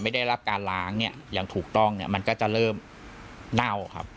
ไม่ได้รับการล้างเนี่ยอย่างถูกต้องเนี่ยมันก็จะเริ่มเน่าครับ